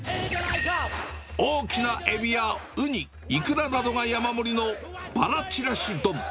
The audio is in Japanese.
大きなエビやウニ、イクラなどが山盛りのバラちらし丼。